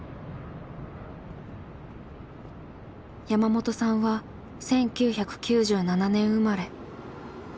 山本さんは１９９７年生まれ。